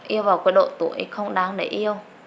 yêu vào cái độ tuổi không đáng để yêu